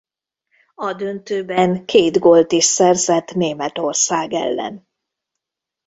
A döntőben két gólt is szerzett Németország ellen.